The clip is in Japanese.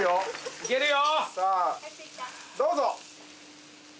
いけるよ！